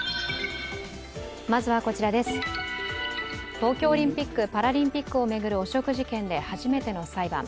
東京オリンピック・パラリンピックを巡る汚職事件で初めての裁判。